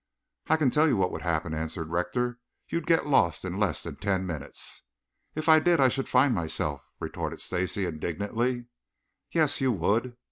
"I can tell you what would happen," answered Rector. "You'd get lost in less than ten minutes." "If I did I should find myself," retorted Stacy indignantly. "Yes, you would!"